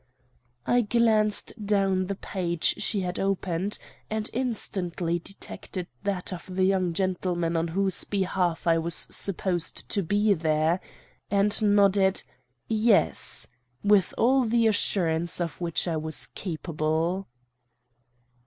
"I glanced down the page she had opened and instantly detected that of the young gentleman on whose behalf I was supposed to be there, and nodded 'Yes,' with all the assurance of which I was capable.